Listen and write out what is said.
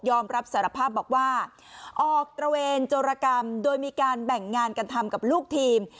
รับสารภาพบอกว่าออกตระเวนโจรกรรมโดยมีการแบ่งงานกันทำกับลูกทีม